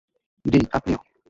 জ্বি, আপনিও।